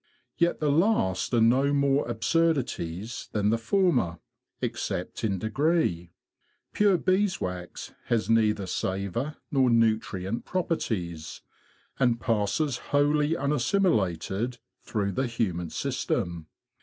Yet the last are no more absurdities than the former, except in degree. Pure beeswax has neither savour nor nutrient properties, and passes wholly unas similated through the human system.